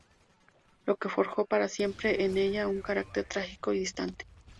Lo que forjó para siempre en ella un carácter trágico y distante.